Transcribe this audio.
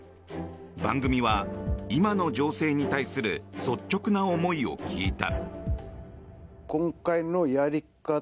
番組は、今の情勢に対する率直な思いを聞いた。